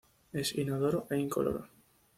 Es inodoro e incoloro.